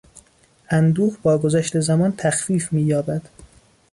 اندوه با گذشت زمان تخفیف مییابد.